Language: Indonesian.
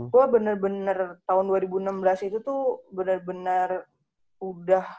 gue bener bener tahun dua ribu enam belas itu tuh bener bener udah